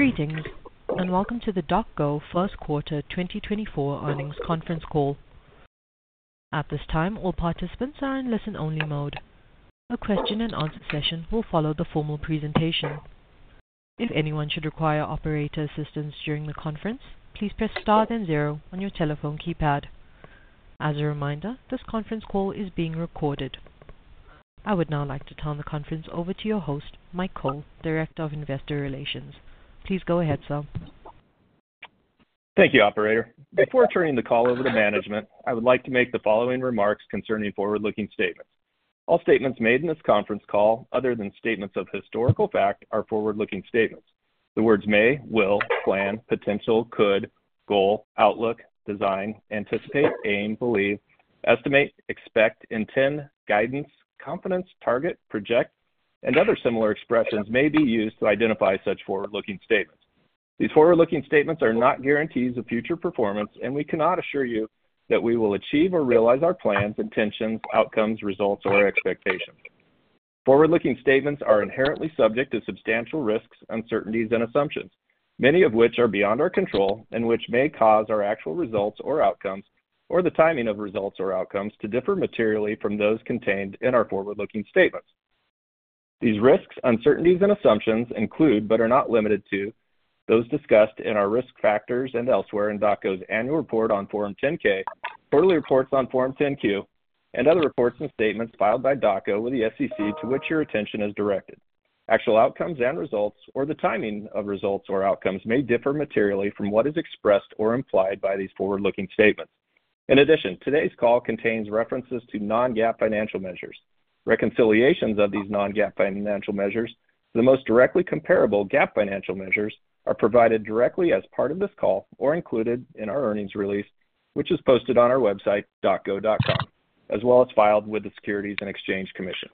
Greetings, and welcome to the DocGo first quarter 2024 earnings conference call. At this time, all participants are in listen-only mode. A question-and-answer session will follow the formal presentation. If anyone should require operator assistance during the conference, please press star then zero on your telephone keypad. As a reminder, this conference call is being recorded. I would now like to turn the conference over to your host, Mike Cole, Director of Investor Relations. Please go ahead, sir. Thank you, Operator. Before turning the call over to management, I would like to make the following remarks concerning forward-looking statements. All statements made in this conference call, other than statements of historical fact, are forward-looking statements. The words may, will, plan, potential, could, goal, outlook, design, anticipate, aim, believe, estimate, expect, intend, guidance, confidence, target, project, and other similar expressions may be used to identify such forward-looking statements. These forward-looking statements are not guarantees of future performance, and we cannot assure you that we will achieve or realize our plans, intentions, outcomes, results, or expectations. Forward-looking statements are inherently subject to substantial risks, uncertainties, and assumptions, many of which are beyond our control and which may cause our actual results or outcomes, or the timing of results or outcomes, to differ materially from those contained in our forward-looking statements. These risks, uncertainties, and assumptions include, but are not limited to, those discussed in our risk factors and elsewhere in DocGo's annual report on Form 10-K, quarterly reports on Form 10-Q, and other reports and statements filed by DocGo with the SEC to which your attention is directed. Actual outcomes and results, or the timing of results or outcomes, may differ materially from what is expressed or implied by these forward-looking statements. In addition, today's call contains references to non-GAAP financial measures. Reconciliations of these non-GAAP financial measures to the most directly comparable GAAP financial measures are provided directly as part of this call or included in our earnings release, which is posted on our website, docgo.com, as well as filed with the Securities and Exchange Commission.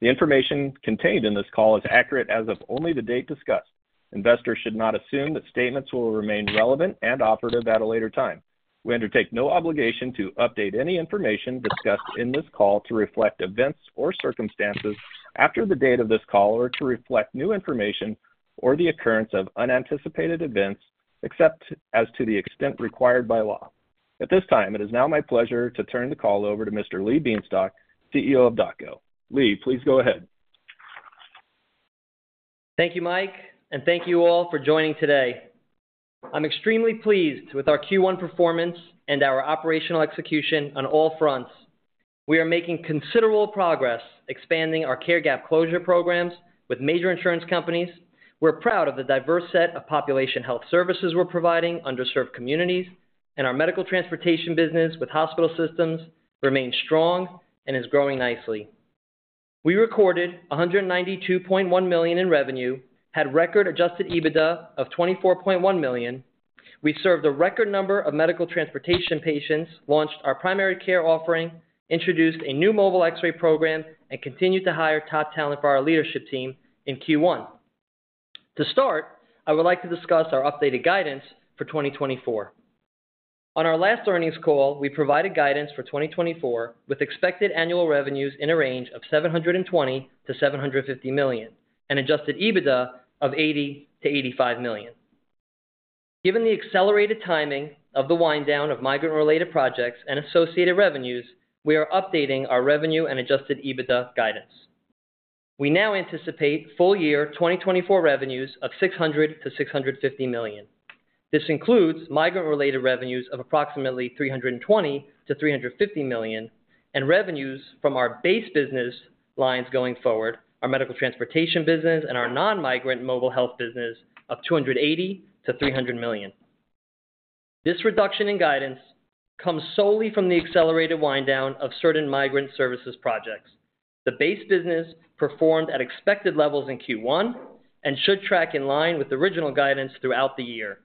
The information contained in this call is accurate as of only the date discussed. Investors should not assume that statements will remain relevant and operative at a later time. We undertake no obligation to update any information discussed in this call to reflect events or circumstances after the date of this call or to reflect new information or the occurrence of unanticipated events, except as to the extent required by law. At this time, it is now my pleasure to turn the call over to Mr. Lee Bienstock, CEO of DocGo. Lee, please go ahead. Thank you, Mike, and thank you all for joining today. I'm extremely pleased with our Q1 performance and our operational execution on all fronts. We are making considerable progress expanding our care gap closure programs with major insurance companies. We're proud of the diverse set of population health services we're providing underserved communities, and our medical transportation business with hospital systems remains strong and is growing nicely. We recorded $192.1 million in revenue, had record adjusted EBITDA of $24.1 million. We served a record number of medical transportation patients, launched our primary care offering, introduced a new mobile X-ray program, and continued to hire top talent for our leadership team in Q1. To start, I would like to discuss our updated guidance for 2024. On our last earnings call, we provided guidance for 2024 with expected annual revenues in a range of $720 million-$750 million and Adjusted EBITDA of $80 million-$85 million. Given the accelerated timing of the winddown of migrant-related projects and associated revenues, we are updating our revenue and Adjusted EBITDA guidance. We now anticipate full-year 2024 revenues of $600 million-$650 million. This includes migrant-related revenues of approximately $320 million-$350 million and revenues from our base business lines going forward, our medical transportation business, and our non-migrant mobile health business of $280 million-$300 million. This reduction in guidance comes solely from the accelerated winddown of certain migrant services projects. The base business performed at expected levels in Q1 and should track in line with original guidance throughout the year.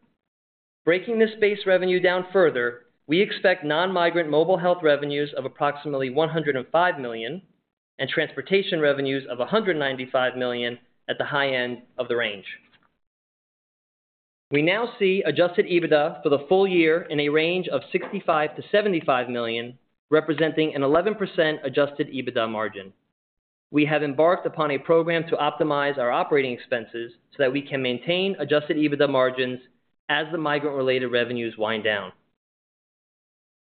Breaking this base revenue down further, we expect non-migrant mobile health revenues of approximately $105 million and transportation revenues of $195 million at the high end of the range. We now see adjusted EBITDA for the full year in a range of $65 million-$75 million, representing an 11% adjusted EBITDA margin. We have embarked upon a program to optimize our operating expenses so that we can maintain adjusted EBITDA margins as the migrant-related revenues wind down.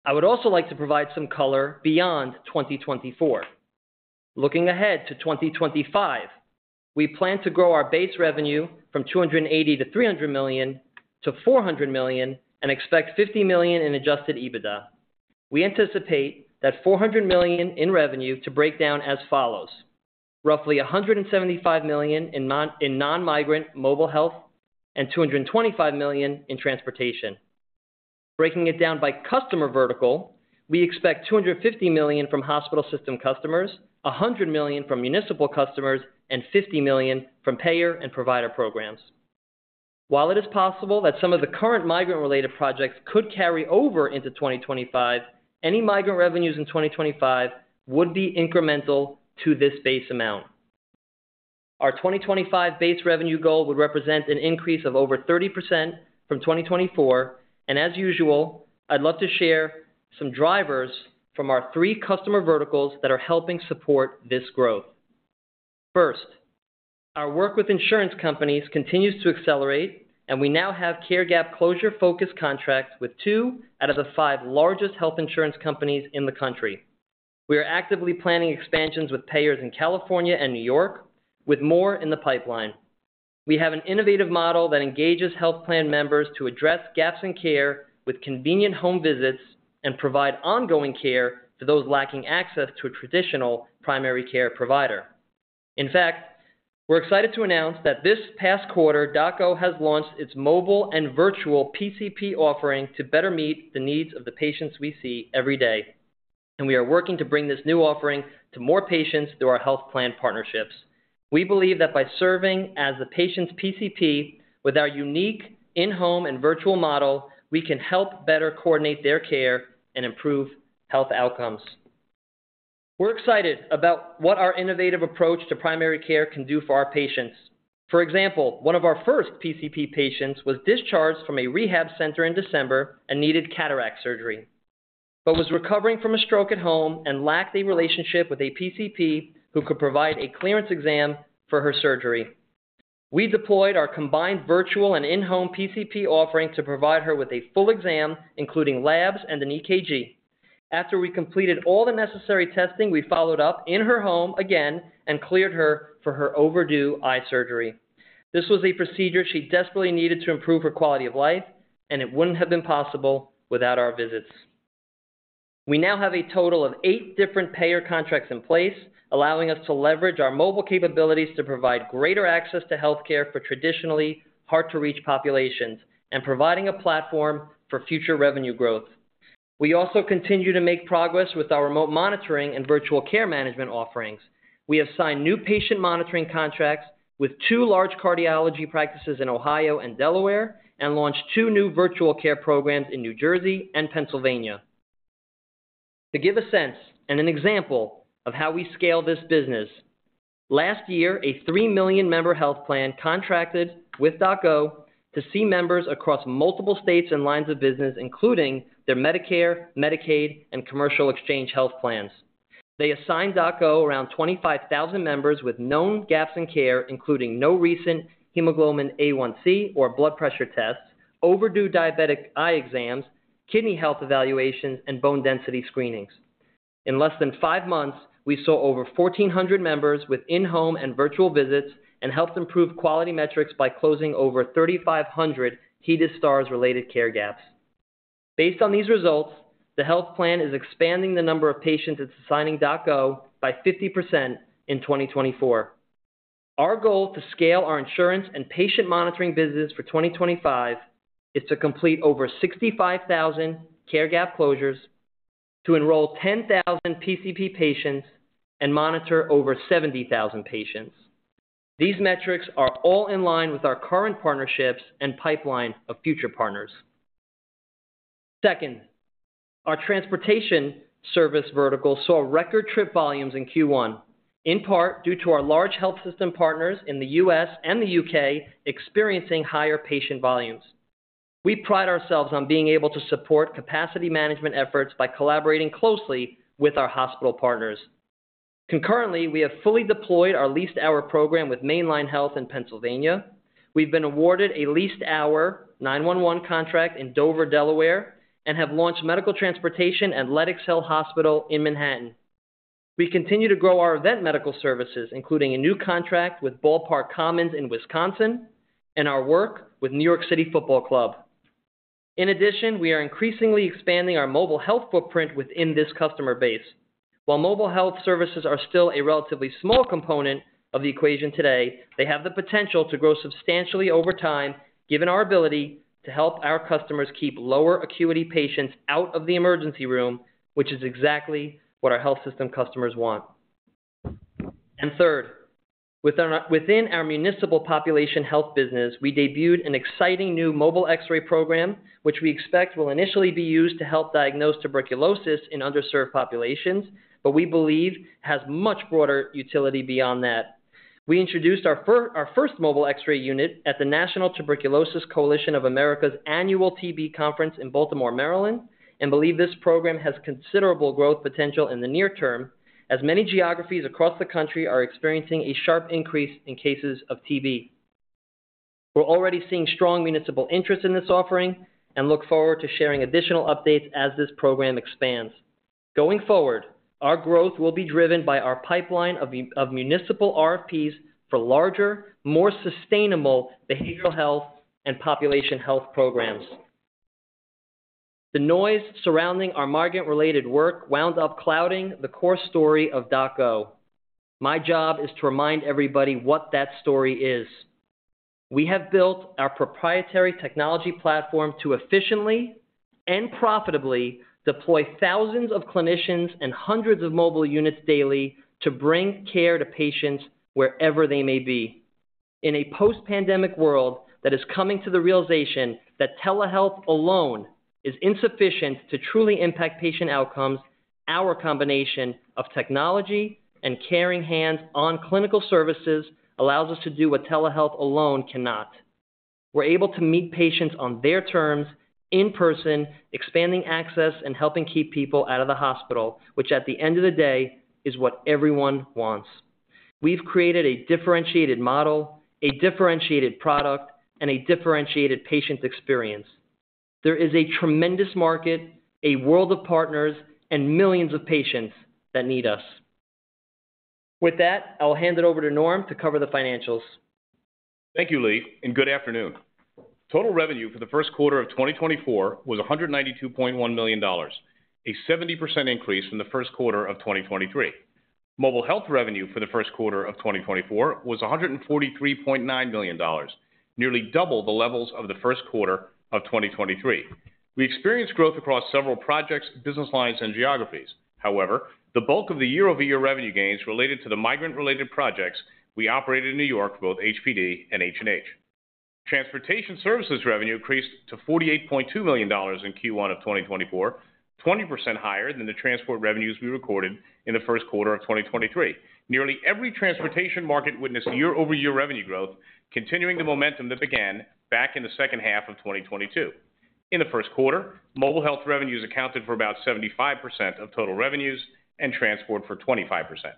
I would also like to provide some color beyond 2024. Looking ahead to 2025, we plan to grow our base revenue from $280 million to $300 million to $400 million and expect $50 million in adjusted EBITDA. We anticipate that $400 million in revenue to break down as follows: roughly $175 million in non-migrant mobile health and $225 million in transportation. Breaking it down by customer vertical, we expect $250 million from hospital system customers, $100 million from municipal customers, and $50 million from payer and provider programs. While it is possible that some of the current migrant-related projects could carry over into 2025, any migrant revenues in 2025 would be incremental to this base amount. Our 2025 base revenue goal would represent an increase of over 30% from 2024. As usual, I'd love to share some drivers from our three customer verticals that are helping support this growth. First, our work with insurance companies continues to accelerate, and we now have care gap closure-focused contracts with two out of the five largest health insurance companies in the country. We are actively planning expansions with payers in California and New York, with more in the pipeline. We have an innovative model that engages health plan members to address gaps in care with convenient home visits and provide ongoing care for those lacking access to a traditional primary care provider. In fact, we're excited to announce that this past quarter, DocGo has launched its mobile and virtual PCP offering to better meet the needs of the patients we see every day, and we are working to bring this new offering to more patients through our health plan partnerships. We believe that by serving as the patient's PCP with our unique in-home and virtual model, we can help better coordinate their care and improve health outcomes. We're excited about what our innovative approach to primary care can do for our patients. For example, one of our first PCP patients was discharged from a rehab center in December and needed cataract surgery but was recovering from a stroke at home and lacked a relationship with a PCP who could provide a clearance exam for her surgery. We deployed our combined virtual and in-home PCP offering to provide her with a full exam, including labs and an EKG. After we completed all the necessary testing, we followed up in her home again and cleared her for her overdue eye surgery. This was a procedure she desperately needed to improve her quality of life, and it wouldn't have been possible without our visits. We now have a total of eight different payer contracts in place, allowing us to leverage our mobile capabilities to provide greater access to health care for traditionally hard-to-reach populations and providing a platform for future revenue growth. We also continue to make progress with our remote monitoring and virtual care management offerings. We have signed new patient monitoring contracts with two large cardiology practices in Ohio and Delaware and launched two new virtual care programs in New Jersey and Pennsylvania. To give a sense and an example of how we scale this business, last year, a 3 million member health plan contracted with DocGo to see members across multiple states and lines of business, including their Medicare, Medicaid, and commercial exchange health plans. They assigned DocGo around 25,000 members with known gaps in care, including no recent Hemoglobin A1c or blood pressure tests, overdue diabetic eye exams, kidney health evaluations, and bone density screenings. In less than five months, we saw over 1,400 members with in-home and virtual visits and helped improve quality metrics by closing over 3,500 HEDIS Stars-related care gaps. Based on these results, the health plan is expanding the number of patients it's assigning DocGo by 50% in 2024. Our goal to scale our insurance and patient monitoring business for 2025 is to complete over 65,000 care gap closures, to enroll 10,000 PCP patients, and monitor over 70,000 patients. These metrics are all in line with our current partnerships and pipeline of future partners. Second, our transportation service vertical saw record trip volumes in Q1, in part due to our large health system partners in the U.S. and the U.K. experiencing higher patient volumes. We pride ourselves on being able to support capacity management efforts by collaborating closely with our hospital partners. Concurrently, we have fully deployed our leased-hour program with Main Line Health in Pennsylvania. We've been awarded a leased-hour 911 contract in Dover, Delaware, and have launched medical transportation at Lenox Hill Hospital in Manhattan. We continue to grow our event medical services, including a new contract with Ballpark Commons in Wisconsin and our work with New York City Football Club. In addition, we are increasingly expanding our mobile health footprint within this customer base. While mobile health services are still a relatively small component of the equation today, they have the potential to grow substantially over time, given our ability to help our customers keep lower acuity patients out of the emergency room, which is exactly what our health system customers want. And third, within our municipal population health business, we debuted an exciting new mobile X-ray program, which we expect will initially be used to help diagnose tuberculosis in underserved populations, but we believe has much broader utility beyond that. We introduced our first Mobile X-ray unit at the National Tuberculosis Coalition of America's annual TB conference in Baltimore, Maryland, and believe this program has considerable growth potential in the near-term, as many geographies across the country are experiencing a sharp increase in cases of TB. We're already seeing strong municipal interest in this offering and look forward to sharing additional updates as this program expands. Going forward, our growth will be driven by our pipeline of municipal RFPs for larger, more sustainable behavioral health and population health programs. The noise surrounding our migrant-related work wound up clouding the core story of DocGo. My job is to remind everybody what that story is. We have built our proprietary technology platform to efficiently and profitably deploy thousands of clinicians and hundreds of mobile units daily to bring care to patients wherever they may be. In a post-pandemic world that is coming to the realization that telehealth alone is insufficient to truly impact patient outcomes, our combination of technology and caring hands on clinical services allows us to do what telehealth alone cannot. We're able to meet patients on their terms, in person, expanding access, and helping keep people out of the hospital, which at the end of the day is what everyone wants. We've created a differentiated model, a differentiated product, and a differentiated patient experience. There is a tremendous market, a world of partners, and millions of patients that need us. With that, I'll hand it over to Norm to cover the financials. Thank you, Lee, and good afternoon. Total revenue for the first quarter of 2024 was $192.1 million, a 70% increase from the first quarter of 2023. Mobile Health revenue for the first quarter of 2024 was $143.9 million, nearly double the levels of the first quarter of 2023. We experienced growth across several projects, business lines, and geographies. However, the bulk of the year-over-year revenue gains related to the migrant-related projects we operated in New York for both HPD and H&H. Transportation Services revenue increased to $48.2 million in Q1 of 2024, 20% higher than the Transportation Services revenues we recorded in the first quarter of 2023. Nearly every transportation market witnessed year-over-year revenue growth, continuing the momentum that began back in the second half of 2022. In the first quarter, Mobile Health revenues accounted for about 75% of total revenues and Transportation Services for 25%.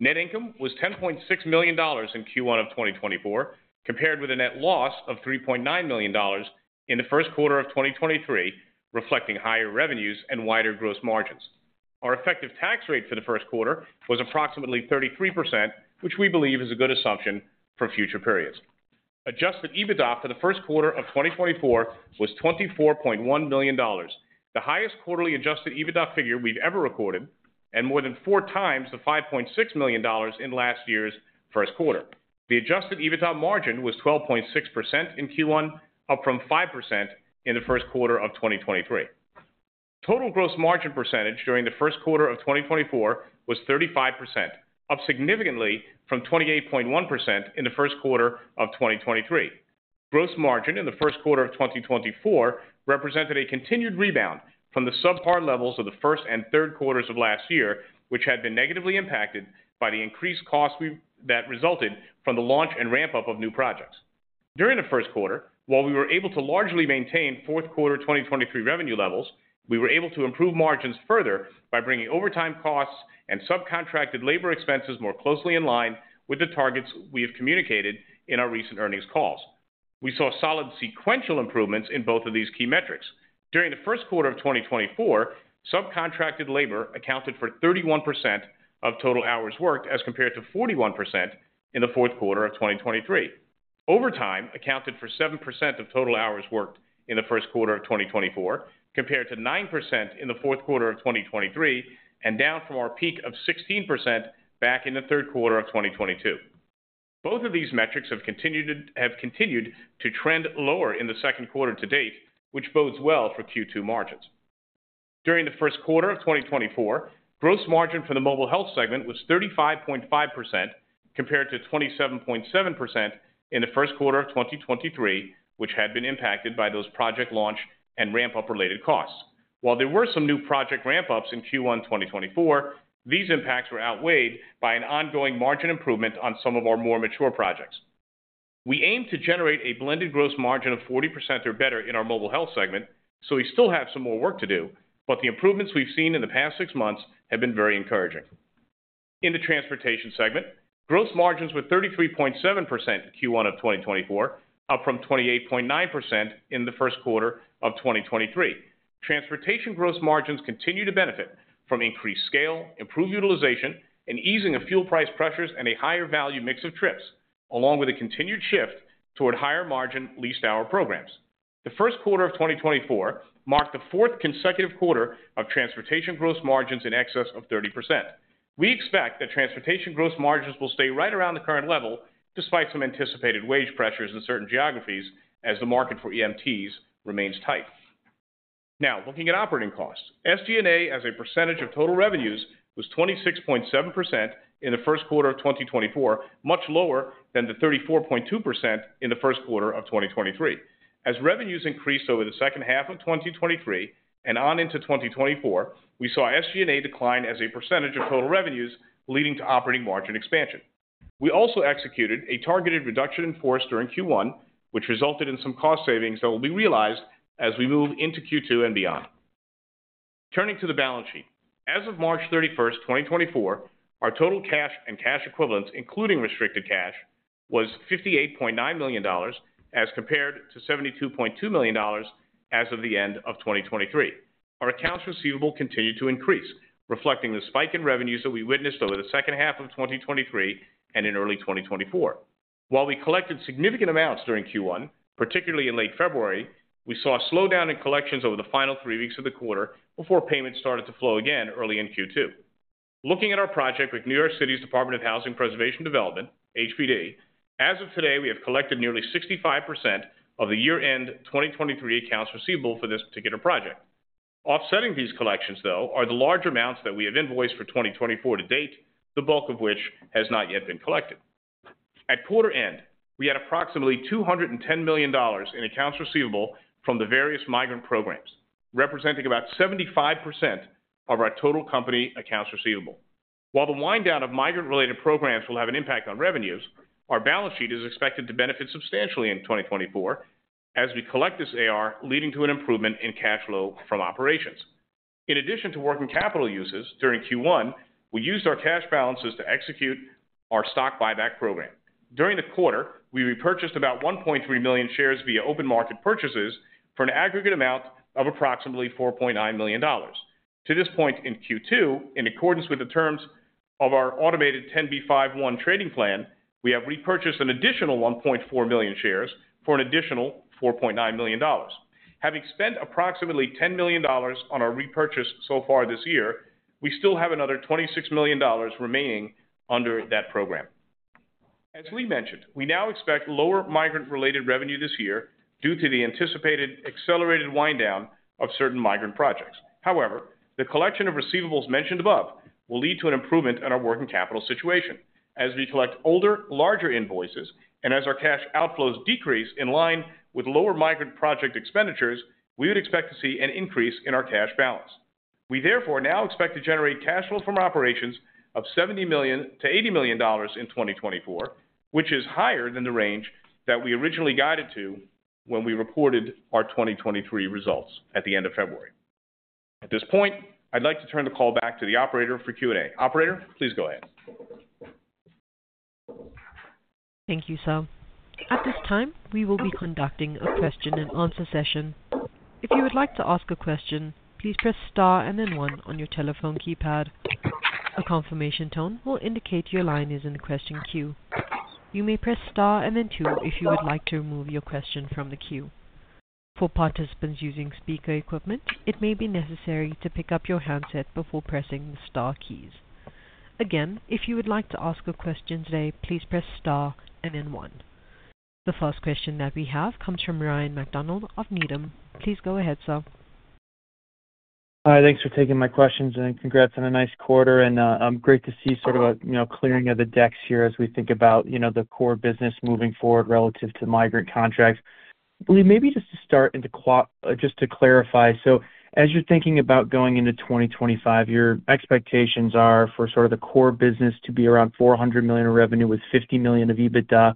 Net income was $10.6 million in Q1 of 2024, compared with a net loss of $3.9 million in the first quarter of 2023, reflecting higher revenues and wider gross margins. Our effective tax rate for the first quarter was approximately 33%, which we believe is a good assumption for future periods. Adjusted EBITDA for the first quarter of 2024 was $24.1 million, the highest quarterly adjusted EBITDA figure we've ever recorded and more than four times the $5.6 million in last year's first quarter. The adjusted EBITDA margin was 12.6% in Q1, up from 5% in the first quarter of 2023. Total gross margin percentage during the first quarter of 2024 was 35%, up significantly from 28.1% in the first quarter of 2023. Gross margin in the first quarter of 2024 represented a continued rebound from the subpar levels of the first and third quarters of last year, which had been negatively impacted by the increased costs that resulted from the launch and ramp-up of new projects. During the first quarter, while we were able to largely maintain fourth quarter 2023 revenue levels, we were able to improve margins further by bringing overtime costs and subcontracted labor expenses more closely in line with the targets we have communicated in our recent earnings calls. We saw solid sequential improvements in both of these key metrics. During the first quarter of 2024, subcontracted labor accounted for 31% of total hours worked as compared to 41% in the fourth quarter of 2023. Overtime accounted for 7% of total hours worked in the first quarter of 2024, compared to 9% in the fourth quarter of 2023, and down from our peak of 16% back in the third quarter of 2022. Both of these metrics have continued to trend lower in the second quarter to date, which bodes well for Q2 margins. During the first quarter of 2024, gross margin for the mobile health segment was 35.5%, compared to 27.7% in the first quarter of 2023, which had been impacted by those project launch and ramp-up-related costs. While there were some new project ramp-ups in Q1 2024, these impacts were outweighed by an ongoing margin improvement on some of our more mature projects. We aim to generate a blended gross margin of 40% or better in our mobile health segment, so we still have some more work to do, but the improvements we've seen in the past six months have been very encouraging. In the transportation segment, gross margins were 33.7% in Q1 of 2024, up from 28.9% in the first quarter of 2023. Transportation gross margins continue to benefit from increased scale, improved utilization, and easing of fuel price pressures and a higher-value mix of trips, along with a continued shift toward higher-margin leased-hour programs. The first quarter of 2024 marked the fourth consecutive quarter of transportation gross margins in excess of 30%. We expect that transportation gross margins will stay right around the current level, despite some anticipated wage pressures in certain geographies as the market for EMTs remains tight. Now, looking at operating costs, SG&A as a percentage of total revenues was 26.7% in the first quarter of 2024, much lower than the 34.2% in the first quarter of 2023. As revenues increased over the second half of 2023 and on into 2024, we saw SG&A decline as a percentage of total revenues, leading to operating margin expansion. We also executed a targeted reduction in force during Q1, which resulted in some cost savings that will be realized as we move into Q2 and beyond. Turning to the balance sheet, as of March 31st, 2024, our total cash and cash equivalents, including restricted cash, was $58.9 million as compared to $72.2 million as of the end of 2023. Our accounts receivable continued to increase, reflecting the spike in revenues that we witnessed over the second half of 2023 and in early 2024. While we collected significant amounts during Q1, particularly in late February, we saw a slowdown in collections over the final three weeks of the quarter before payments started to flow again early in Q2. Looking at our project with New York City's Department of Housing Preservation and Development, HPD, as of today, we have collected nearly 65% of the year-end 2023 accounts receivable for this particular project. Offsetting these collections, though, are the large amounts that we have invoiced for 2024 to date, the bulk of which has not yet been collected. At quarter end, we had approximately $210 million in accounts receivable from the various migrant programs, representing about 75% of our total company accounts receivable. While the wind-down of migrant-related programs will have an impact on revenues, our balance sheet is expected to benefit substantially in 2024 as we collect this AR, leading to an improvement in cash flow from operations. In addition to working capital uses during Q1, we used our cash balances to execute our stock buyback program. During the quarter, we repurchased about 1.3 million shares via open market purchases for an aggregate amount of approximately $4.9 million. To this point in Q2, in accordance with the terms of our automated 10b5-1 trading plan, we have repurchased an additional 1.4 million shares for an additional $4.9 million. Having spent approximately $10 million on our repurchase so far this year, we still have another $26 million remaining under that program. As Lee mentioned, we now expect lower migrant-related revenue this year due to the anticipated accelerated wind-down of certain migrant projects. However, the collection of receivables mentioned above will lead to an improvement in our working capital situation. As we collect older, larger invoices and as our cash outflows decrease in line with lower migrant project expenditures, we would expect to see an increase in our cash balance. We therefore now expect to generate cash flow from operations of $70 million-$80 million in 2024, which is higher than the range that we originally guided to when we reported our 2023 results at the end of February. At this point, I'd like to turn the call back to the operator for Q&A. Operator, please go ahead. Thank you, sir. At this time, we will be conducting a question-and-answer session. If you would like to ask a question, please press star and then one on your telephone keypad. A confirmation tone will indicate your line is in question queue. You may press star and then two if you would like to remove your question from the queue. For participants using speaker equipment, it may be necessary to pick up your handset before pressing the star keys. Again, if you would like to ask a question today, please press star and then one. The first question that we have comes from Ryan MacDonald of Needham. Please go ahead, sir. Hi. Thanks for taking my questions and congrats on a nice quarter. Great to see sort of a clearing of the decks here as we think about the core business moving forward relative to migrant contracts. Lee, maybe just to start and to clarify, so as you're thinking about going into 2025, your expectations are for sort of the core business to be around $400 million in revenue with $50 million of EBITDA.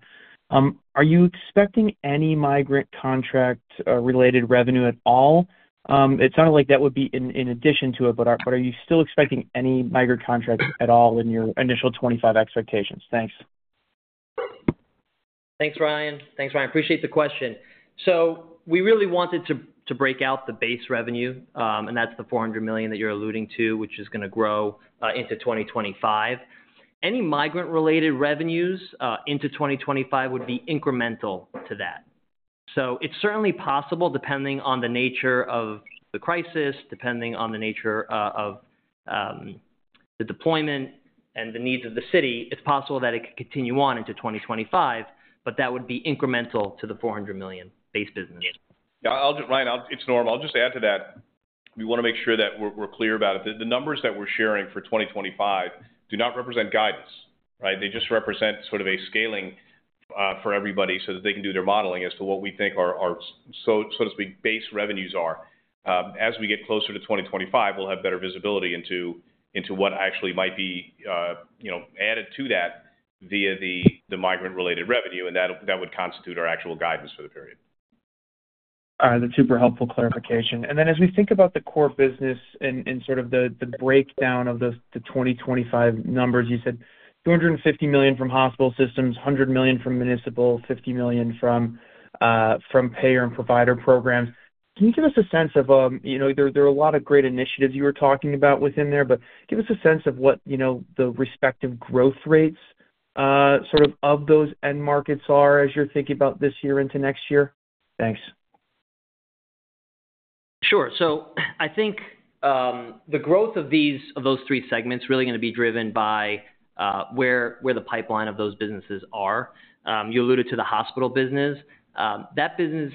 Are you expecting any migrant contract-related revenue at all? It sounded like that would be in addition to it, but are you still expecting any migrant contracts at all in your initial 2025 expectations? Thanks. Thanks, Ryan. Thanks, Ryan. Appreciate the question. So we really wanted to break out the base revenue, and that's the $400 million that you're alluding to, which is going to grow into 2025. Any migrant-related revenues into 2025 would be incremental to that. So it's certainly possible, depending on the nature of the crisis, depending on the nature of the deployment and the needs of the city, it's possible that it could continue on into 2025, but that would be incremental to the $400 million base business. Yeah. Ryan, it's Norm. I'll just add to that. We want to make sure that we're clear about it. The numbers that we're sharing for 2025 do not represent guidance, right? They just represent sort of a scaling for everybody so that they can do their modeling as to what we think our, so to speak, base revenues are. As we get closer to 2025, we'll have better visibility into what actually might be added to that via the migrant-related revenue, and that would constitute our actual guidance for the period. All right. That's super helpful clarification. And then as we think about the core business and sort of the breakdown of the 2025 numbers, you said $250 million from hospital systems, $100 million from municipal, $50 million from payer and provider programs. Can you give us a sense of there are a lot of great initiatives you were talking about within there, but give us a sense of what the respective growth rates sort of of those end markets are as you're thinking about this year into next year? Thanks. Sure. So I think the growth of those three segments is really going to be driven by where the pipeline of those businesses are. You alluded to the hospital business. That business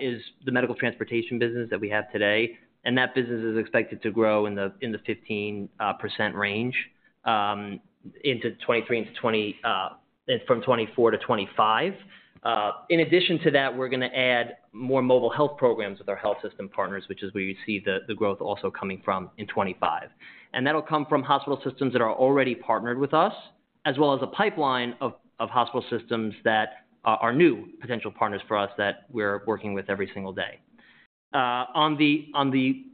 is the medical transportation business that we have today, and that business is expected to grow in the 15% range from 2024 to 2025. In addition to that, we're going to add more mobile health programs with our health system partners, which is where you see the growth also coming from in 2025. And that'll come from hospital systems that are already partnered with us, as well as a pipeline of hospital systems that are new potential partners for us that we're working with every single day. On the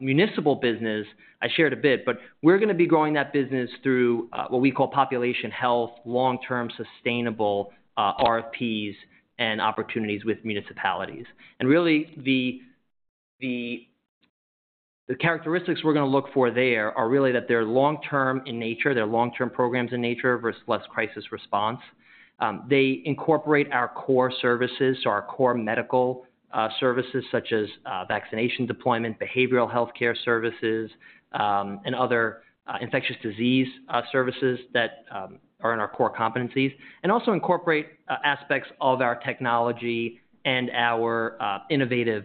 municipal business, I shared a bit, but we're going to be growing that business through what we call population health, long-term sustainable RFPs and opportunities with municipalities. Really, the characteristics we're going to look for there are really that they're long-term in nature, they're long-term programs in nature versus less crisis response. They incorporate our core services, so our core medical services such as vaccination deployment, behavioral healthcare services, and other infectious disease services that are in our core competencies, and also incorporate aspects of our technology and our innovative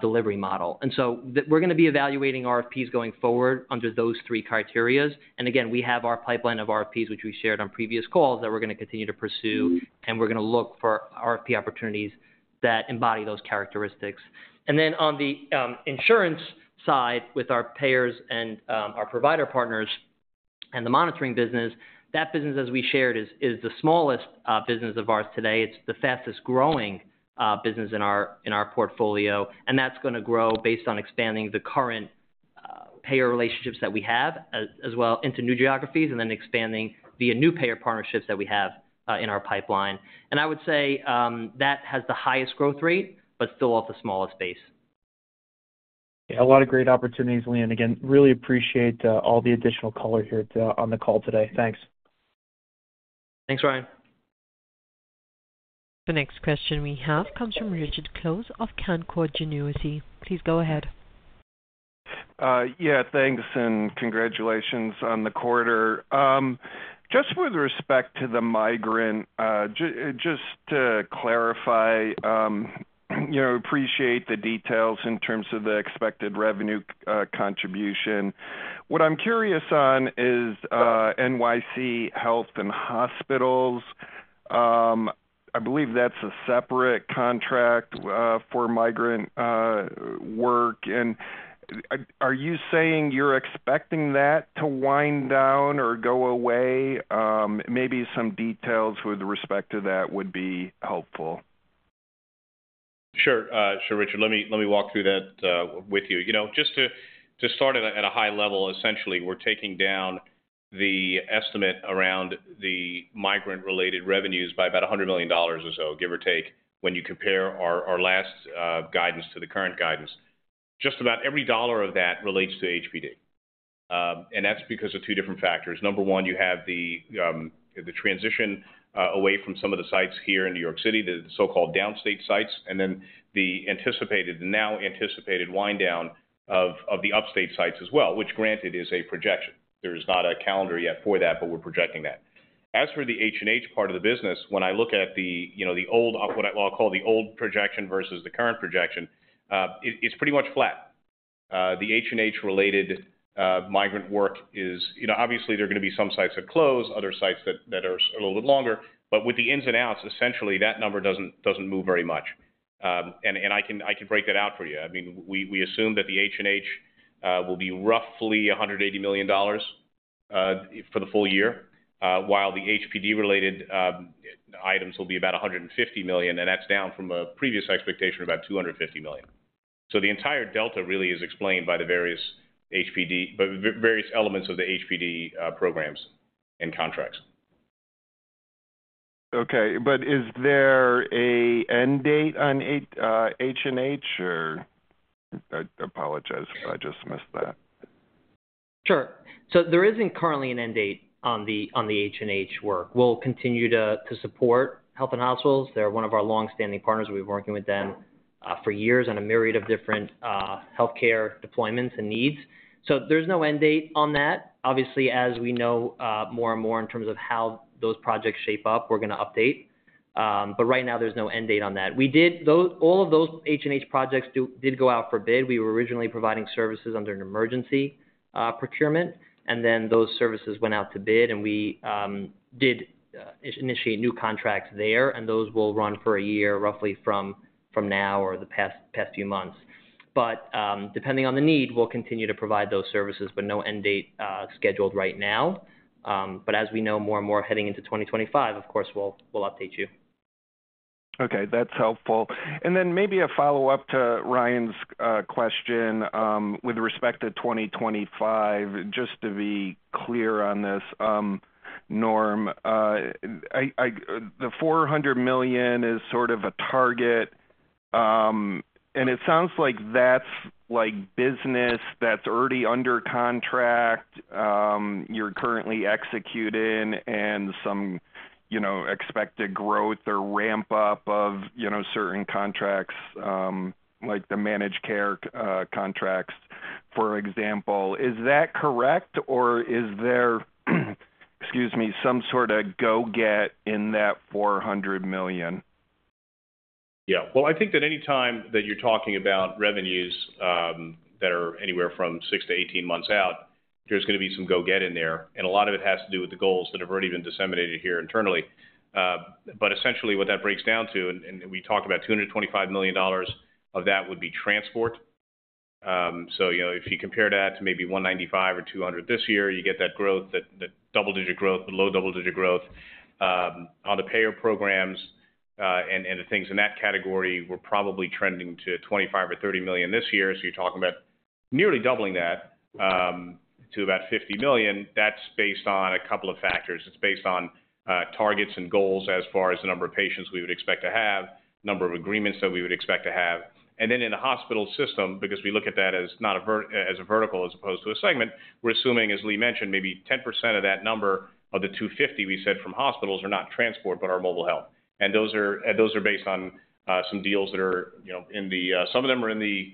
delivery model. So we're going to be evaluating RFPs going forward under those three criteria. Again, we have our pipeline of RFPs, which we shared on previous calls, that we're going to continue to pursue, and we're going to look for RFP opportunities that embody those characteristics. Then on the insurance side, with our payers and our provider partners and the monitoring business, that business, as we shared, is the smallest business of ours today. It's the fastest-growing business in our portfolio, and that's going to grow based on expanding the current payer relationships that we have as well into new geographies and then expanding via new payer partnerships that we have in our pipeline. And I would say that has the highest growth rate but still off the smallest base. Yeah. A lot of great opportunities, Lee. Again, really appreciate all the additional color here on the call today. Thanks. Thanks, Ryan. The next question we have comes from Richard Close of Canaccord Genuity. Please go ahead. Yeah. Thanks and congratulations on the quarter. Just with respect to the migrant, just to clarify, we appreciate the details in terms of the expected revenue contribution. What I'm curious on is NYC Health and Hospitals. I believe that's a separate contract for migrant work. And are you saying you're expecting that to wind down or go away? Maybe some details with respect to that would be helpful. Sure, Richard. Let me walk through that with you. Just to start at a high level, essentially, we're taking down the estimate around the migrant-related revenues by about $100 million or so, give or take, when you compare our last guidance to the current guidance. Just about every dollar of that relates to HPD. And that's because of two different factors. Number one, you have the transition away from some of the sites here in New York City, the so-called downstate sites, and then the now anticipated wind-down of the upstate sites as well, which, granted, is a projection. There is not a calendar yet for that, but we're projecting that. As for the H&H part of the business, when I look at what I'll call the old projection versus the current projection, it's pretty much flat. The H&H-related migrant work is obviously, there are going to be some sites that close, other sites that are a little bit longer. But with the ins and outs, essentially, that number doesn't move very much. And I can break that out for you. I mean, we assume that the H&H will be roughly $180 million for the full year, while the HPD-related items will be about $150 million, and that's down from a previous expectation of about $250 million. So the entire delta really is explained by the various elements of the HPD programs and contracts. Okay. But is there an end date on H&H, or? I apologize. I just missed that. Sure. So there isn't currently an end date on the H&H work. We'll continue to support Health and Hospitals. They're one of our longstanding partners. We've been working with them for years on a myriad of different healthcare deployments and needs. So there's no end date on that. Obviously, as we know more and more in terms of how those projects shape up, we're going to update. But right now, there's no end date on that. All of those H&H projects did go out for bid. We were originally providing services under an emergency procurement, and then those services went out to bid, and we did initiate new contracts there. And those will run for a year, roughly, from now or the past few months. But depending on the need, we'll continue to provide those services, but no end date scheduled right now. As we know, more and more heading into 2025, of course, we'll update you. Okay. That's helpful. And then maybe a follow-up to Ryan's question with respect to 2025, just to be clear on this, Norm, the $400 million is sort of a target. And it sounds like that's business that's already under contract, you're currently executing, and some expected growth or ramp-up of certain contracts, like the managed care contracts, for example. Is that correct, or is there, excuse me, some sort of go-get in that $400 million? Yeah. Well, I think that any time that you're talking about revenues that are anywhere from 6-18 months out, there's going to be some go-get in there. And a lot of it has to do with the goals that have already been disseminated here internally. But essentially, what that breaks down to, and we talked about $225 million of that would be transport. So if you compare that to maybe $195 or $200 this year, you get that growth, that double-digit growth, but low double-digit growth. On the payer programs and the things in that category, we're probably trending to $25 million or $30 million this year. So you're talking about nearly doubling that to about $50 million. That's based on a couple of factors. It's based on targets and goals as far as the number of patients we would expect to have, number of agreements that we would expect to have. And then in the hospital system, because we look at that as not a vertical as opposed to a segment, we're assuming, as Lee mentioned, maybe 10% of that number of the $250 we said from hospitals are not transport but are mobile health. And those are based on some deals that are, some of them are in the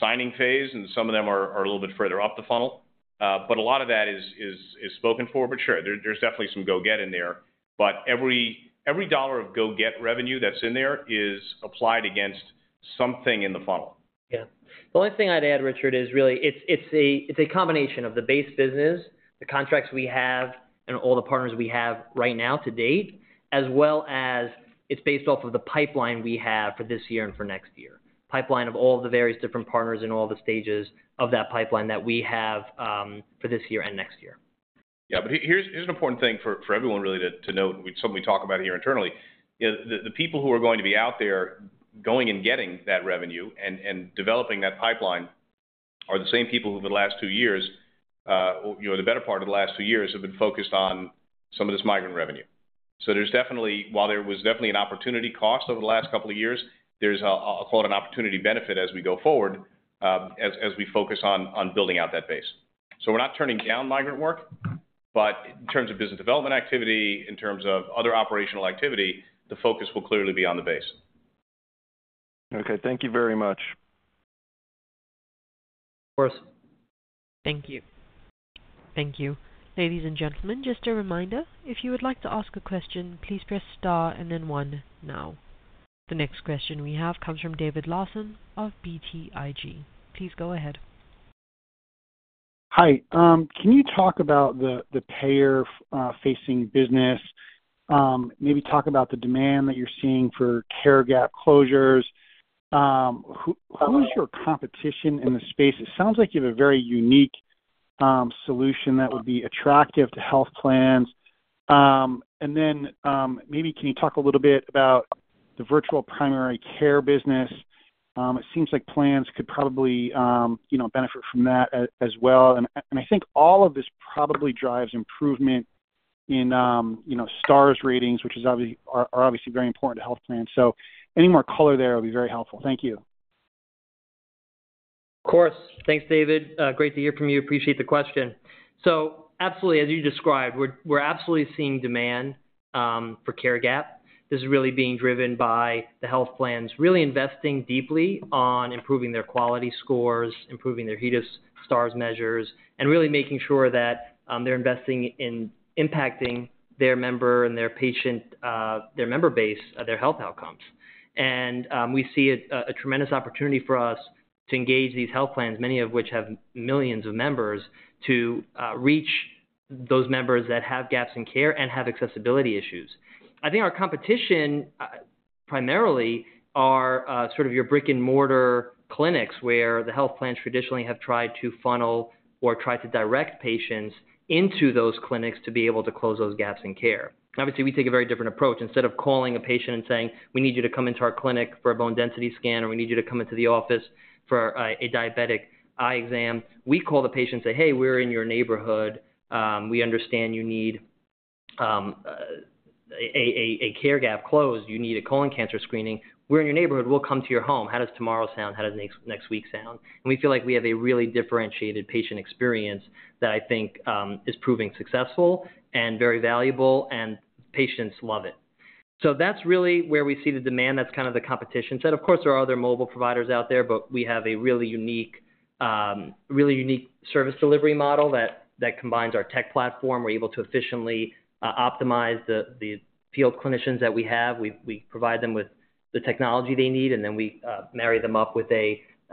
signing phase, and some of them are a little bit further up the funnel. But a lot of that is spoken for. But sure, there's definitely some go-get in there. But every dollar of go-get revenue that's in there is applied against something in the funnel. Yeah. The only thing I'd add, Richard, is really it's a combination of the base business, the contracts we have, and all the partners we have right now to date, as well as it's based off of the pipeline we have for this year and for next year, pipeline of all of the various different partners in all the stages of that pipeline that we have for this year and next year. Yeah. But here's an important thing for everyone really to note, and we'd certainly talk about it here internally. The people who are going to be out there going and getting that revenue and developing that pipeline are the same people who, for the last 2 years, or the better part of the last 2 years, have been focused on some of this migrant revenue. So while there was definitely an opportunity cost over the last couple of years, there's a, quote, "an opportunity benefit" as we go forward, as we focus on building out that base. So we're not turning down migrant work, but in terms of business development activity, in terms of other operational activity, the focus will clearly be on the base. Okay. Thank you very much. Of course. Thank you. Thank you. Ladies and gentlemen, just a reminder, if you would like to ask a question, please press star and then one now. The next question we have comes from David Larsen of BTIG. Please go ahead. Hi. Can you talk about the payer-facing business? Maybe talk about the demand that you're seeing for care gap closures. Who's your competition in the space? It sounds like you have a very unique solution that would be attractive to health plans. And then maybe can you talk a little bit about the virtual primary care business? It seems like plans could probably benefit from that as well. And I think all of this probably drives improvement in star ratings, which are obviously very important to health plans. So any more color there would be very helpful. Thank you. Of course. Thanks, David. Great to hear from you. Appreciate the question. So absolutely, as you described, we're absolutely seeing demand for care gap. This is really being driven by the health plans really investing deeply on improving their quality scores, improving their HEDIS star measures, and really making sure that they're impacting their member and their patient, their member base, their health outcomes. We see a tremendous opportunity for us to engage these health plans, many of which have millions of members, to reach those members that have gaps in care and have accessibility issues. I think our competition, primarily, are sort of your brick-and-mortar clinics where the health plans traditionally have tried to funnel or tried to direct patients into those clinics to be able to close those gaps in care. Obviously, we take a very different approach. Instead of calling a patient and saying, "We need you to come into our clinic for a bone density scan," or, "We need you to come into the office for a diabetic eye exam," we call the patient and say, "Hey, we're in your neighborhood. We understand you need a care gap closed. You need a colon cancer screening. We're in your neighborhood. We'll come to your home. How does tomorrow sound? How does next week sound?" And we feel like we have a really differentiated patient experience that I think is proving successful and very valuable, and patients love it. So that's really where we see the demand. That's kind of the competition set. Of course, there are other mobile providers out there, but we have a really unique service delivery model that combines our tech platform. We're able to efficiently optimize the field clinicians that we have. We provide them with the technology they need, and then we marry them up with.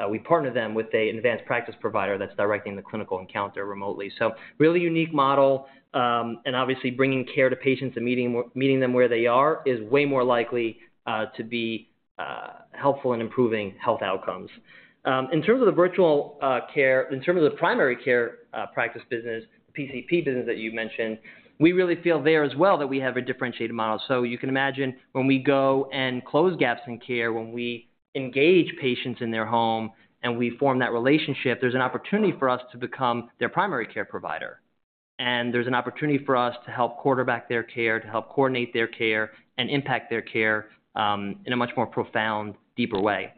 We partner them with an advanced practice provider that's directing the clinical encounter remotely. So, really unique model. And obviously, bringing care to patients and meeting them where they are is way more likely to be helpful in improving health outcomes. In terms of the virtual care, in terms of the primary care practice business, the PCP business that you mentioned, we really feel there as well that we have a differentiated model. So, you can imagine when we go and close gaps in care, when we engage patients in their home and we form that relationship, there's an opportunity for us to become their primary care provider. There's an opportunity for us to help quarterback their care, to help coordinate their care, and impact their care in a much more profound, deeper way.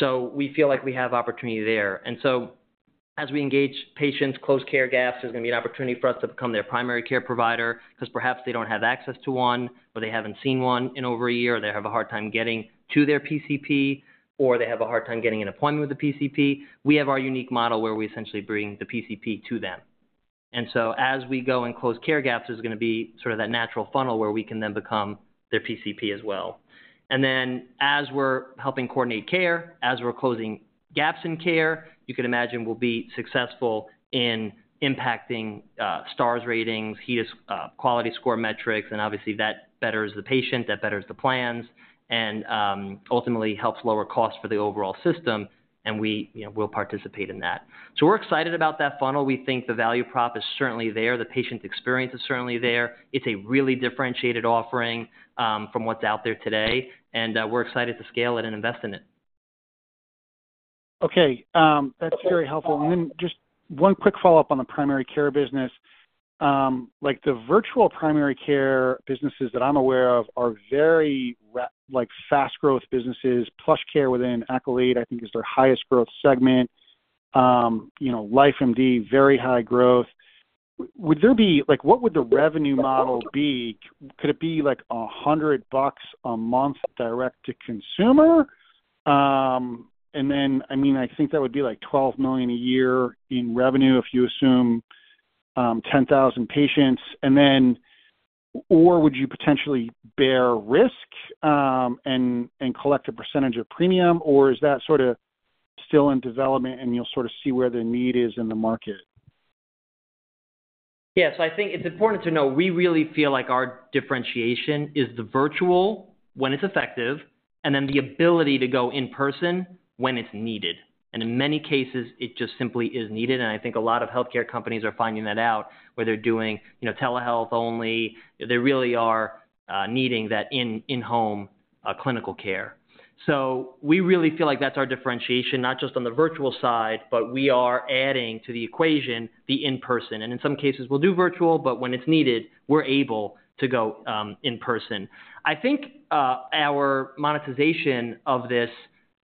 So we feel like we have opportunity there. So as we engage patients, close care gaps, there's going to be an opportunity for us to become their primary care provider because perhaps they don't have access to one, or they haven't seen one in over a year, or they have a hard time getting to their PCP, or they have a hard time getting an appointment with the PCP. We have our unique model where we essentially bring the PCP to them. So as we go and close care gaps, there's going to be sort of that natural funnel where we can then become their PCP as well. And then as we're helping coordinate care, as we're closing gaps in care, you can imagine we'll be successful in impacting stars ratings, HEDIS quality score metrics. Obviously, that betters the patient. That betters the plans and ultimately helps lower costs for the overall system. We'll participate in that. We're excited about that funnel. We think the value prop is certainly there. The patient experience is certainly there. It's a really differentiated offering from what's out there today. We're excited to scale it and invest in it. Okay. That's very helpful. And then just one quick follow-up on the primary care business. The virtual primary care businesses that I'm aware of are very fast-growth businesses. PlushCare within Accolade, I think, is their highest-growth segment. LifeMD, very high growth. Would there be what would the revenue model be? Could it be like $100 a month direct to consumer? And then, I mean, I think that would be like $12 million a year in revenue if you assume 10,000 patients. Or would you potentially bear risk and collect a percentage of premium? Or is that sort of still in development, and you'll sort of see where the need is in the market? Yeah. So I think it's important to know we really feel like our differentiation is the virtual when it's effective and then the ability to go in-person when it's needed. And in many cases, it just simply is needed. And I think a lot of healthcare companies are finding that out where they're doing telehealth only. They really are needing that in-home clinical care. So we really feel like that's our differentiation, not just on the virtual side, but we are adding to the equation the in-person. And in some cases, we'll do virtual, but when it's needed, we're able to go in-person. I think our monetization of this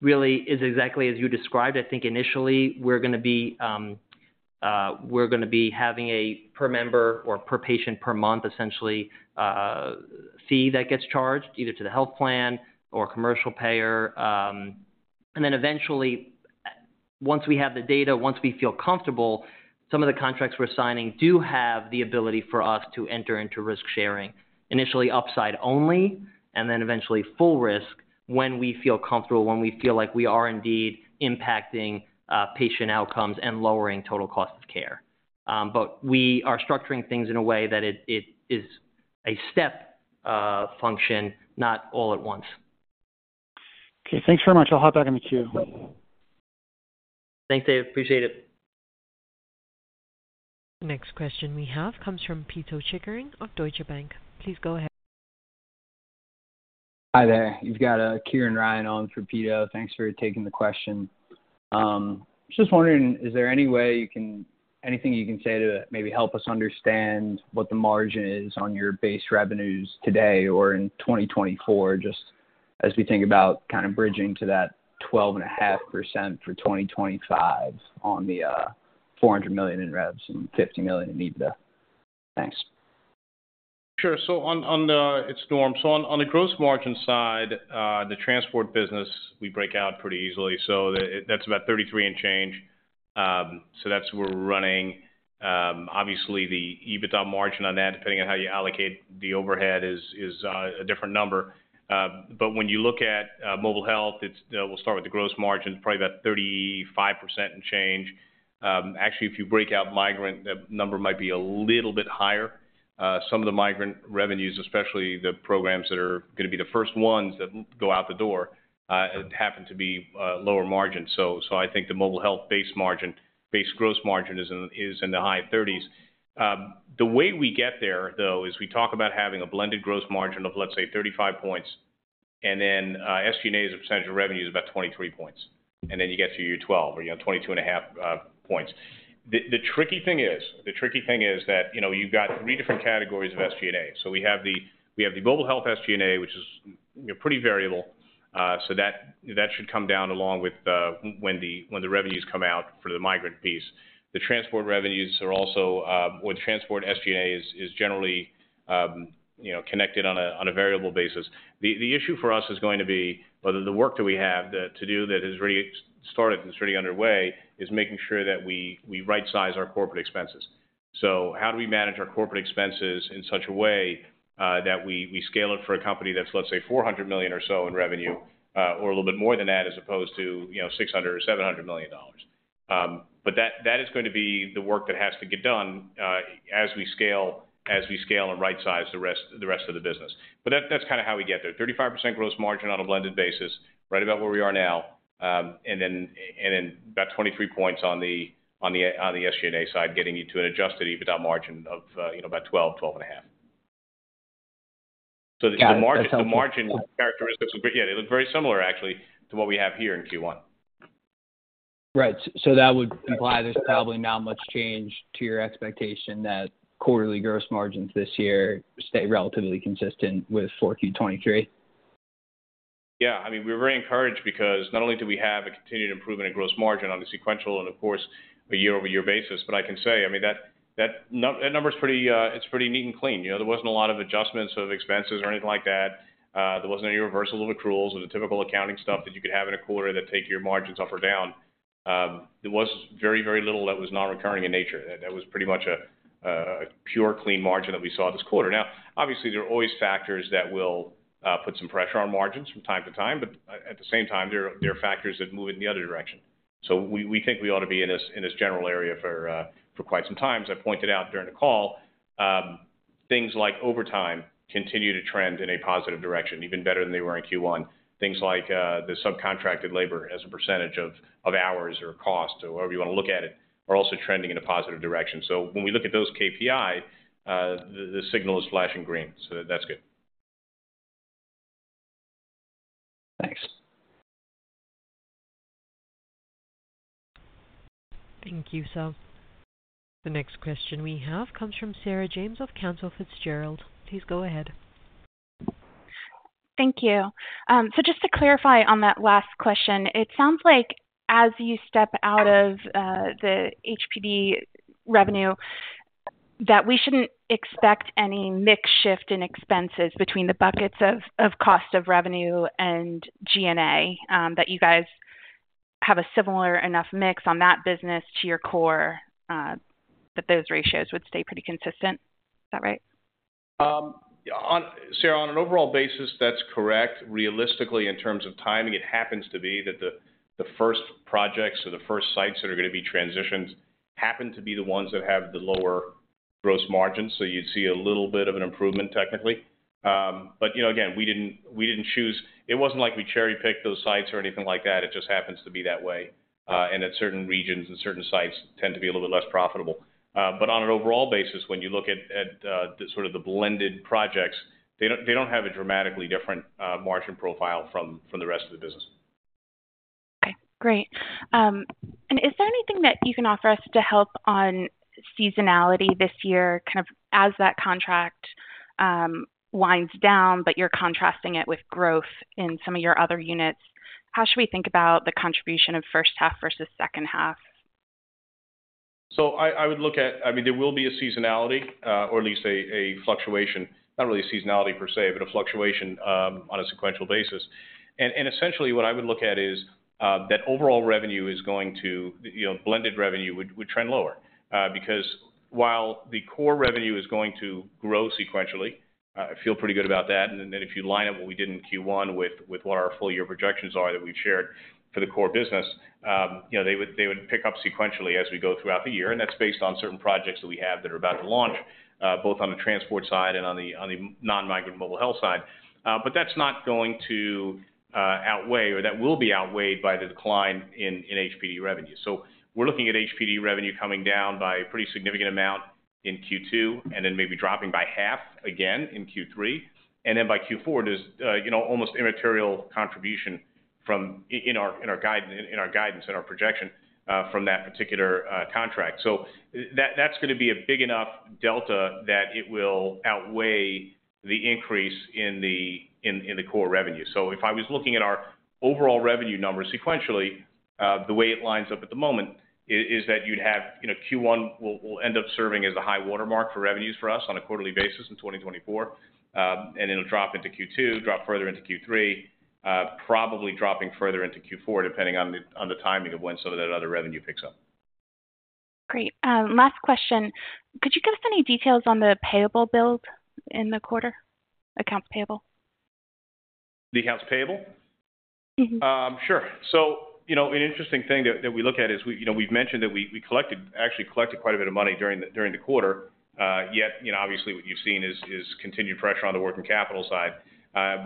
really is exactly as you described. I think initially, we're going to be having a per member or per patient per month, essentially, fee that gets charged either to the health plan or commercial payer. And then eventually, once we have the data, once we feel comfortable, some of the contracts we're signing do have the ability for us to enter into risk sharing, initially upside only and then eventually full risk when we feel comfortable, when we feel like we are indeed impacting patient outcomes and lowering total cost of care. But we are structuring things in a way that it is a step function, not all at once. Okay. Thanks very much. I'll hop back on the queue. Thanks, David. Appreciate it. The next question we have comes from Pito Chickering of Deutsche Bank. Please go ahead. Hi there. You've got Kieran Ryan on for Pito. Thanks for taking the question. Just wondering, is there any way you can say anything you can say to maybe help us understand what the margin is on your base revenues today or in 2024, just as we think about kind of bridging to that 12.5% for 2025 on the $400 million in revs and $50 million in EBITDA? Thanks. Sure. So it's Norm. So on the gross margin side, the transport business, we break out pretty easily. So that's about 33 and change. So that's where we're running. Obviously, the EBITDA margin on that, depending on how you allocate the overhead, is a different number. But when you look at mobile health, we'll start with the gross margin. It's probably about 35% and change. Actually, if you break out migrant, that number might be a little bit higher. Some of the migrant revenues, especially the programs that are going to be the first ones that go out the door, happen to be lower margins. So I think the mobile health base gross margin is in the high 30s. The way we get there, though, is we talk about having a blended gross margin of, let's say, 35 points, and then SG&A as a percentage of revenue is about 23 points. And then you get to your EBITDA 12 or 22.5 points. The tricky thing is that you've got three different categories of SG&A. So we have the Mobile Health SG&A, which is pretty variable. So that should come down along with when the revenues come out for the migrant piece. The transport revenues are also well, the transport SG&A is generally connected on a variable basis. The issue for us is going to be the work that we have to do that has already started, that's already underway, is making sure that we right-size our corporate expenses. So how do we manage our corporate expenses in such a way that we scale it for a company that's, let's say, $400 million or so in revenue or a little bit more than that as opposed to $600 million or $700 million? But that is going to be the work that has to get done as we scale and right-size the rest of the business. But that's kind of how we get there, 35% gross margin on a blended basis, right about where we are now, and then about 23 points on the SG&A side, getting you to an adjusted EBITDA margin of about 12%-12.5%. So the margin characteristics look yeah, they look very similar, actually, to what we have here in Q1. Right. So that would imply there's probably not much change to your expectation that quarterly gross margins this year stay relatively consistent with 4Q23? Yeah. I mean, we're very encouraged because not only do we have a continued improvement in gross margin on a sequential and, of course, a year-over-year basis, but I can say, I mean, that number is pretty neat and clean. There wasn't a lot of adjustments of expenses or anything like that. There wasn't any reversal of accruals or the typical accounting stuff that you could have in a quarter that take your margins up or down. There was very, very little that was non-recurring in nature. That was pretty much a pure, clean margin that we saw this quarter. Now, obviously, there are always factors that will put some pressure on margins from time to time. But at the same time, there are factors that move it in the other direction. So we think we ought to be in this general area for quite some time. As I pointed out during the call, things like overtime continue to trend in a positive direction, even better than they were in Q1. Things like the subcontracted labor as a percentage of hours or cost, however you want to look at it, are also trending in a positive direction. So when we look at those KPI, the signal is flashing green. So that's good. Thanks. Thank you, Seth. The next question we have comes from Sarah James of Cantor Fitzgerald. Please go ahead. Thank you. So just to clarify on that last question, it sounds like as you step out of the HPD revenue, that we shouldn't expect any mix shift in expenses between the buckets of cost of revenue and G&A, that you guys have a similar enough mix on that business to your core that those ratios would stay pretty consistent. Is that right? Sarah, on an overall basis, that's correct. Realistically, in terms of timing, it happens to be that the first projects or the first sites that are going to be transitioned happen to be the ones that have the lower gross margins. So you'd see a little bit of an improvement, technically. But again, we didn't choose it, it wasn't like we cherry-picked those sites or anything like that. It just happens to be that way. And at certain regions, and certain sites tend to be a little bit less profitable. But on an overall basis, when you look at sort of the blended projects, they don't have a dramatically different margin profile from the rest of the business. Okay. Great. And is there anything that you can offer us to help on seasonality this year, kind of as that contract winds down, but you're contrasting it with growth in some of your other units? How should we think about the contribution of first half versus second half? So I would look at I mean, there will be a seasonality, or at least a fluctuation not really seasonality per se, but a fluctuation on a sequential basis. And essentially, what I would look at is that overall revenue is going to blended revenue would trend lower because while the core revenue is going to grow sequentially, I feel pretty good about that. And then if you line up what we did in Q1 with what our full-year projections are that we've shared for the core business, they would pick up sequentially as we go throughout the year. And that's based on certain projects that we have that are about to launch, both on the transport side and on the non-migrant mobile health side. But that's not going to outweigh or that will be outweighed by the decline in HPD revenue. So we're looking at HPD revenue coming down by a pretty significant amount in Q2 and then maybe dropping by half again in Q3. And then by Q4, there's almost immaterial contribution in our guidance and our projection from that particular contract. So that's going to be a big enough delta that it will outweigh the increase in the core revenue. So if I was looking at our overall revenue numbers sequentially, the way it lines up at the moment is that you'd have Q1 will end up serving as a high-water mark for revenues for us on a quarterly basis in 2024. And it'll drop into Q2, drop further into Q3, probably dropping further into Q4, depending on the timing of when some of that other revenue picks up. Great. Last question. Could you give us any details on the payable build in the quarter, accounts payable? The accounts payable? Mm-hmm. Sure. So an interesting thing that we look at is we've mentioned that we actually collected quite a bit of money during the quarter. Yet obviously, what you've seen is continued pressure on the working capital side.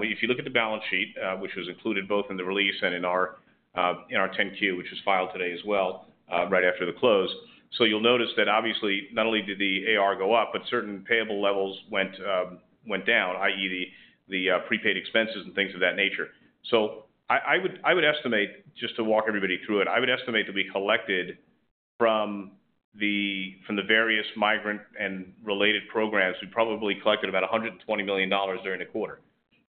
If you look at the balance sheet, which was included both in the release and in our 10-Q, which is filed today as well, right after the close, so you'll notice that obviously, not only did the AR go up, but certain payable levels went down, i.e., the prepaid expenses and things of that nature. So I would estimate just to walk everybody through it, I would estimate that we collected from the various migrant and related programs, we probably collected about $120 million during the quarter.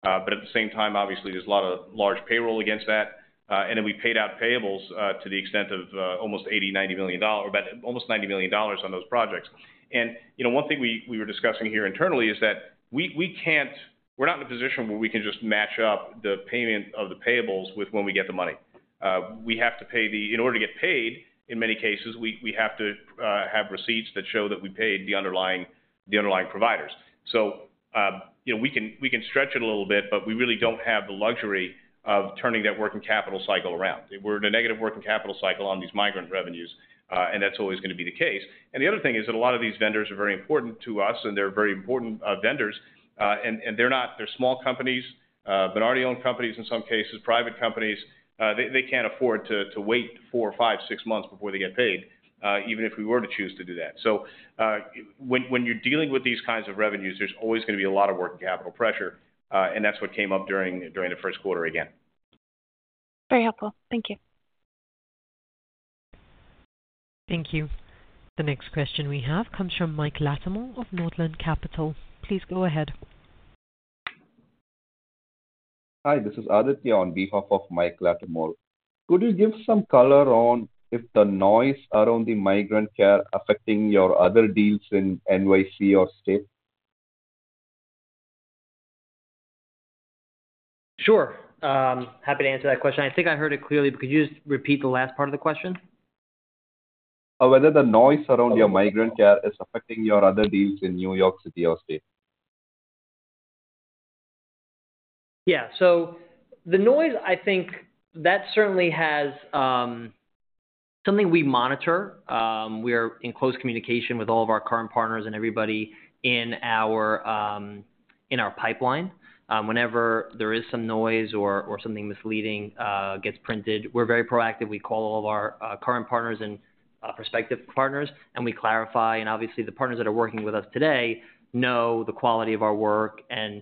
But at the same time, obviously, there's a lot of large payroll against that. And then we paid out payables to the extent of almost $80 million-$90 million, almost $90 million on those projects. One thing we were discussing here internally is that we can't, we're not in a position where we can just match up the payment of the payables with when we get the money. We have to pay them in order to get paid; in many cases, we have to have receipts that show that we paid the underlying providers. So we can stretch it a little bit, but we really don't have the luxury of turning that working capital cycle around. We're in a negative working capital cycle on these migrant revenues, and that's always going to be the case. The other thing is that a lot of these vendors are very important to us, and they're very important vendors. They're small companies, minority-owned companies in some cases, private companies. They can't afford to wait 4, 5, 6 months before they get paid, even if we were to choose to do that. So when you're dealing with these kinds of revenues, there's always going to be a lot of working capital pressure. That's what came up during the first quarter again. Very helpful. Thank you. Thank you. The next question we have comes from Mike Latimore of Northland Capital Markets. Please go ahead. Hi. This is Aditya on behalf of Mike Latimore. Could you give some color on if the noise around the migrant care is affecting your other deals in NYC or state? Sure. Happy to answer that question. I think I heard it clearly. Could you just repeat the last part of the question? Whether the noise around your migrant care is affecting your other deals in New York City or state? Yeah. So the noise, I think that certainly has something we monitor. We are in close communication with all of our current partners and everybody in our pipeline. Whenever there is some noise or something misleading gets printed, we're very proactive. We call all of our current partners and prospective partners, and we clarify. And obviously, the partners that are working with us today know the quality of our work and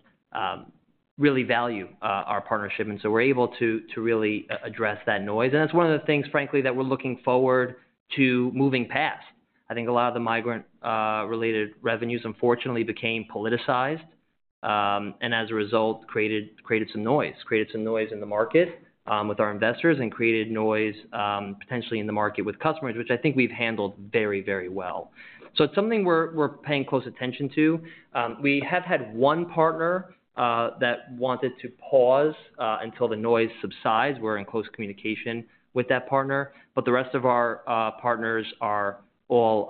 really value our partnership. And so we're able to really address that noise. And that's one of the things, frankly, that we're looking forward to moving past. I think a lot of the migrant-related revenues, unfortunately, became politicized and, as a result, created some noise, created some noise in the market with our investors and created noise potentially in the market with customers, which I think we've handled very, very well. So it's something we're paying close attention to. We have had one partner that wanted to pause until the noise subsides. We're in close communication with that partner. But the rest of our partners are all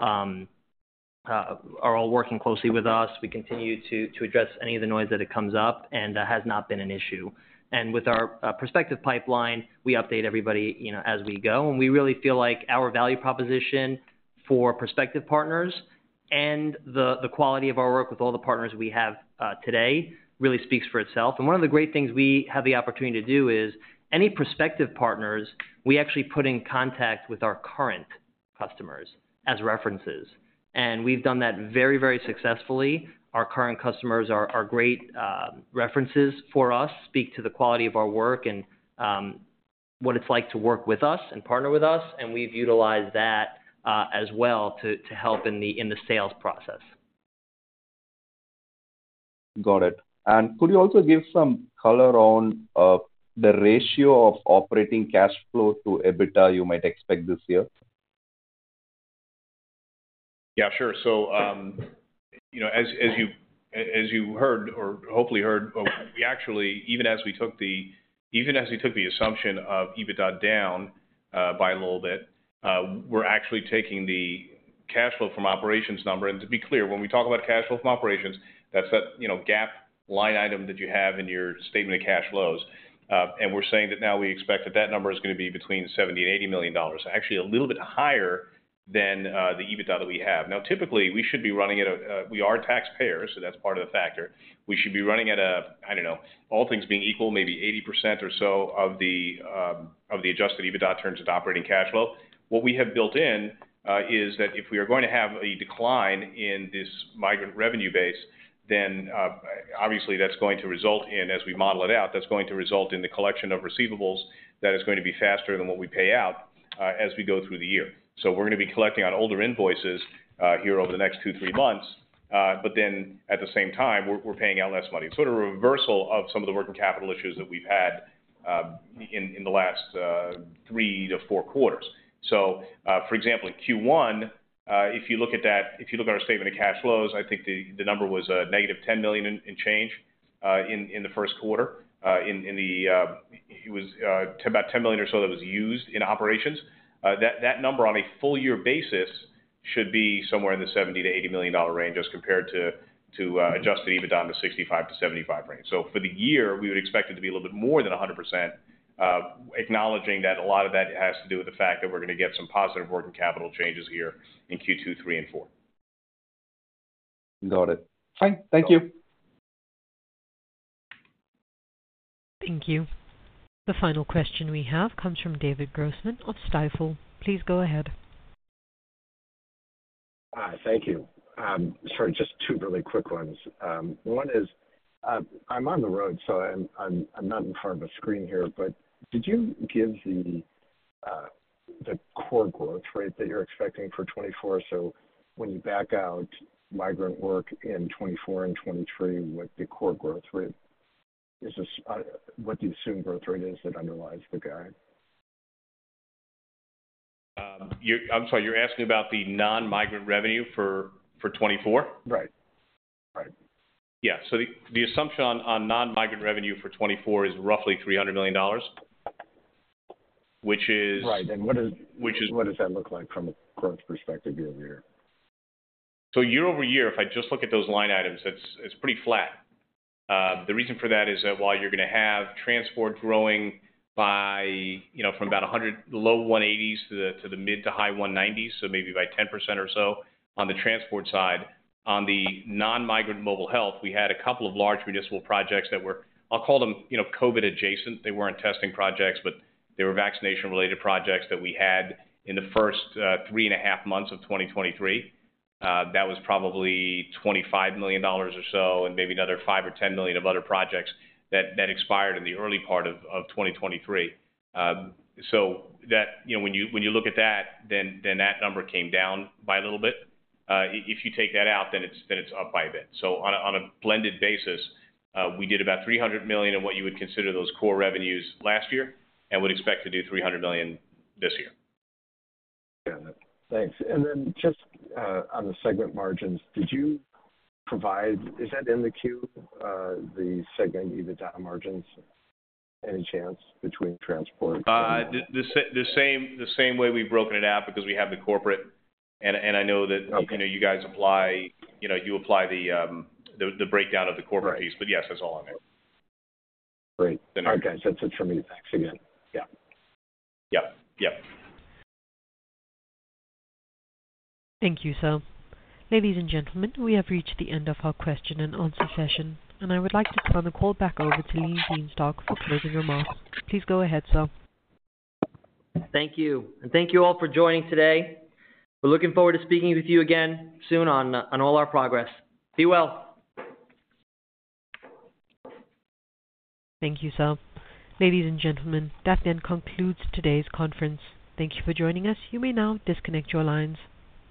working closely with us. We continue to address any of the noise that comes up, and that has not been an issue. With our prospective pipeline, we update everybody as we go. We really feel like our value proposition for prospective partners and the quality of our work with all the partners we have today really speaks for itself. One of the great things we have the opportunity to do is any prospective partners, we actually put in contact with our current customers as references. We've done that very, very successfully. Our current customers are great references for us, speak to the quality of our work and what it's like to work with us and partner with us. We've utilized that as well to help in the sales process. Got it. Could you also give some color on the ratio of operating cash flow to EBITDA you might expect this year? Yeah. Sure. So as you heard or hopefully heard, we actually even as we took the assumption of EBITDA down by a little bit, we're actually taking the cash flow from operations number. And to be clear, when we talk about cash flow from operations, that's that GAAP line item that you have in your statement of cash flows. And we're saying that now we expect that that number is going to be between $70 million-$80 million, actually a little bit higher than the EBITDA that we have. Now, typically, we should be running at a—we are taxpayers, so that's part of the factor. We should be running at a—I don't know. All things being equal, maybe 80% or so of the adjusted EBITDA turns into operating cash flow. What we have built in is that if we are going to have a decline in this migrant revenue base, then obviously, that's going to result in as we model it out, that's going to result in the collection of receivables that is going to be faster than what we pay out as we go through the year. So we're going to be collecting on older invoices here over the next 2, 3 months. But then at the same time, we're paying out less money, sort of a reversal of some of the working capital issues that we've had in the last 3-4 quarters. So for example, in Q1, if you look at that if you look at our statement of cash flows, I think the number was negative $10 million and change in the first quarter. It was about $10 million or so that was used in operations. That number on a full-year basis should be somewhere in the $70 million-$80 million range just compared to Adjusted EBITDA in the $65 million-$75 million range. So for the year, we would expect it to be a little bit more than 100%, acknowledging that a lot of that has to do with the fact that we're going to get some positive working capital changes here in Q2, Q3, and Q4. Got it. Thank you. Thank you. The final question we have comes from David Grossman of Stifel. Please go ahead. Hi. Thank you. Sort of just two really quick ones. One is I'm on the road, so I'm not in front of a screen here. But did you give the core growth rate that you're expecting for 2024? So when you back out migrant work in 2024 and 2023, what's the core growth rate? What do you assume growth rate is that underlies the guide? I'm sorry. You're asking about the non-migrant revenue for 2024? Right. Right. Yeah. The assumption on non-migrant revenue for 2024 is roughly $300 million, which is. Right. And what does that look like from a growth perspective year-over-year? Year-over-year, if I just look at those line items, it's pretty flat. The reason for that is that while you're going to have transport growing from about the low 180s to the mid- to high 190s, so maybe by 10% or so on the transport side, on the non-migrant mobile health, we had a couple of large municipal projects that were, I'll call them, COVID-adjacent. They weren't testing projects, but they were vaccination-related projects that we had in the first three and a half months of 2023. That was probably $25 million or so and maybe another $5 million or $10 million of other projects that expired in the early part of 2023. So when you look at that, then that number came down by a little bit. If you take that out, then it's up by a bit. So on a blended basis, we did about $300 million in what you would consider those core revenues last year and would expect to do $300 million this year. Got it. Thanks. And then just on the segment margins, did you provide? Is that in the queue, the segment EBITDA margins, any chance between transport? The same way we've broken it out because we have the corporate. And I know that you guys apply the breakdown of the corporate piece. But yes, that's all on there. Great. Okay. That's it from me. Thanks again. Yeah. Yep. Yep. Thank you, sir. Ladies and gentlemen, we have reached the end of our question-and-answer session. I would like to turn the call back over to Lee Bienstock for closing remarks. Please go ahead, sir. Thank you. Thank you all for joining today. We're looking forward to speaking with you again soon on all our progress. Be well. Thank you, sir. Ladies and gentlemen, that then concludes today's conference. Thank you for joining us. You may now disconnect your lines.